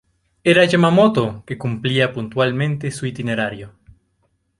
Era Yamamoto que cumplía puntualmente su itinerario.